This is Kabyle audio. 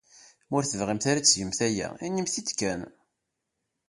Ma ur tebɣimt ara ad tgemt aya, inimt-t-id kan.